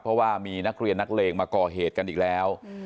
เพราะว่ามีนักเรียนนักเลงมาก่อเหตุกันอีกแล้ว